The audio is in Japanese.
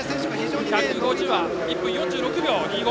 １５０は１分５６秒２５。